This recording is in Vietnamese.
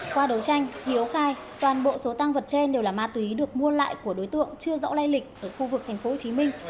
qua đối tranh hiếu khai toàn bộ số tăng vật trên đều là ma túy được mua lại của đối tượng chưa rõ lây lịch ở khu vực tp hcm